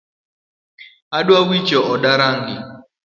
Adwa wicho oda rangi .